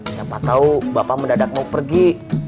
siapa tahu bapak mendadak mau pergi